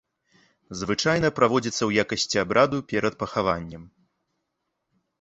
Звычайна праводзіцца ў якасці абраду перад пахаваннем.